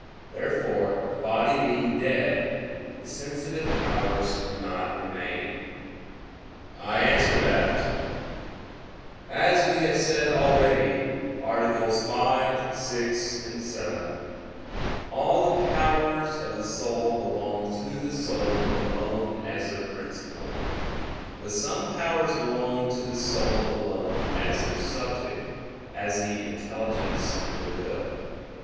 Therefore the body being dead, the sensitive powers do not remain. I answer that, As we have said already (AA. 5, 6, 7), all the powers of the soul belong to the soul alone as their principle. But some powers belong to the soul alone as their subject; as the intelligence and the will.